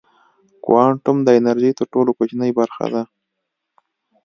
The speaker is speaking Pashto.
کوانوم د انرژۍ تر ټولو کوچنۍ برخه ده.